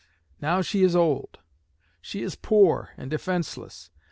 Now she is old. She is poor and defenceless.